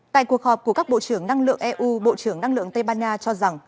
tại cuộc họp của các bộ trưởng năng lượng eu bộ trưởng năng lượng tây ban nha cho rằng